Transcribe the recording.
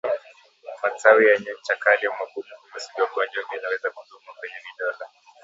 matawi yenye ncha kali au magumu Virusi vya ugonjwa huu vinaweza kudumu kwenye vidonda